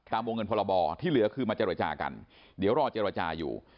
วงเงินพรบที่เหลือคือมาเจรจากันเดี๋ยวรอเจรจาอยู่